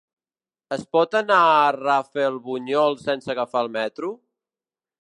Es pot anar a Rafelbunyol sense agafar el metro?